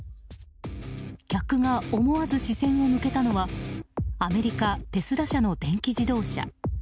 客が思わず視線を向けたのはアメリカ・テスラ社の電気自動車。